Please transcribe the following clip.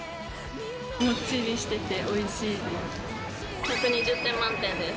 もっちりしてておいしいです。